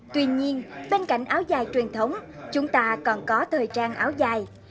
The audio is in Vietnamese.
tuy nhiên bên cạnh áo dài truyền thống chúng ta còn có thời trang áo dài